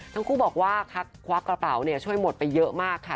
ทั้งคู่บอกว่าควักกระเป๋าเนี่ยช่วยหมดไปเยอะมากค่ะ